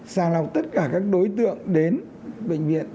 sàng lọc tất cả các đối tượng đến bệnh viện